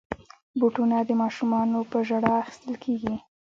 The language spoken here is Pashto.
بوټونه د ماشومانو په ژړا اخیستل کېږي.